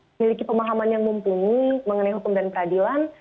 memiliki pemahaman yang mumpuni mengenai hukum dan peradilan